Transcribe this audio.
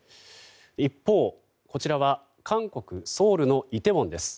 一方、こちらは韓国ソウルのイテウォンです。